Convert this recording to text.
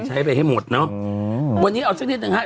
ใช้ไปให้หมดเนอะอืมวันนี้เอาสักนิดหนึ่งฮะ